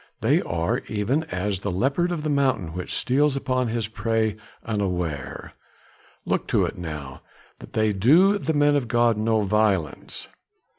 They are even as the leopard of the mountain which steals upon his prey unaware. Look to it now that they do the men of God no violence!"